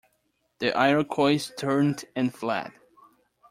The Iroquois turned and fled.